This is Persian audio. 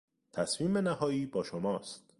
تصمیم نهایی با شماست.